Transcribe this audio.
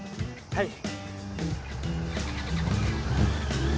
はい。